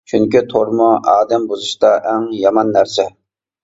چۈنكى تورمۇ ئادەم بۇزۇشتا ئەڭ يامان نەرسە!